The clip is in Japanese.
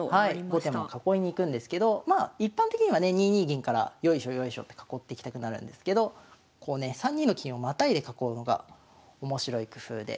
後手も囲いに行くんですけど一般的にはね２二銀からよいしょよいしょって囲っていきたくなるんですけど３二の金をまたいで囲うのが面白い工夫で。